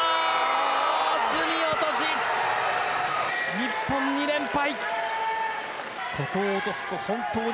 日本、２連敗。